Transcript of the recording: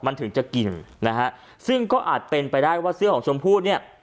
มันถึงจะกินนะฮะซึ่งก็อาจเป็นไปได้ว่าเสื้อของชมพู่เนี่ย